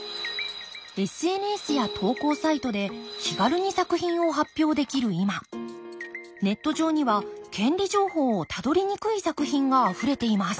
ＳＮＳや投稿サイトで気軽に作品を発表できる今ネット上には権利情報をたどりにくい作品があふれています。